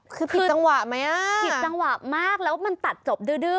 คือผิดจังหวะไหมอ่ะผิดจังหวะมากแล้วมันตัดจบดื้อ